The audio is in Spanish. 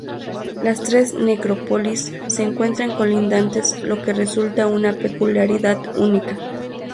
Las tres necrópolis se encuentran colindantes lo que resulta una peculiaridad única.